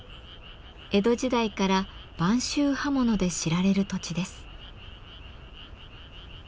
江戸時代から播州刃物で知られる土地です。